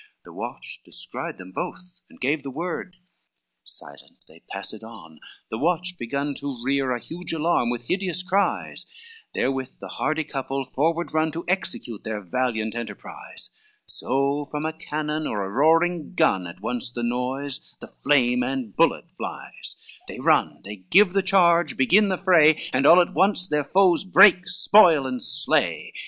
The watch descried them both, and gave the word. XLIV Silent they passed on, the watch begun To rear a huge alarm with hideous cries, Therewith the hardy couple forward run To execute their valiant enterprise: So from a cannon or a roaring gun At once the noise, the flame, and bullet flies, They run, they give the charge, begin the fray, And all at once their foes break, spoil and slay.